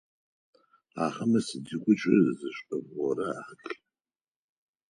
Ахэмэ сыдигъокӏи зы шъэф горэ ахэлъ.